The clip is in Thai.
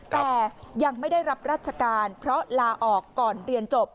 แต่ยังไม่ได้รับราชการเพราะลาออกก่อนเรียนจบ